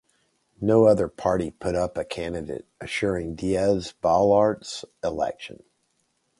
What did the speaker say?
No other party put up a candidate, assuring Diaz-Balart's election.